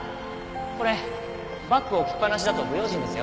これバッグ置きっぱなしだと不用心ですよ。